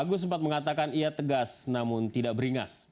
agus sempat mengatakan ia tegas namun tidak beringas